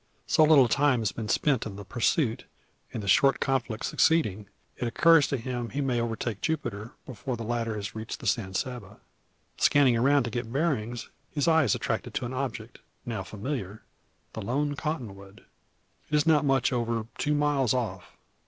So little time has been spent in the pursuit, and the short conflict succeeding, it occurs to him he may overtake Jupiter, before the latter has reached the San Saba. Scanning around to get bearings, his eye is attracted to an object, now familiar the lone cottonwood. It is not much over two miles off.